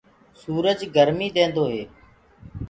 سُورج گرميٚ ديندو هي۔